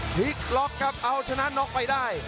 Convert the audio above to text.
พลิกล็อกครับเอาชนะน็อกไปได้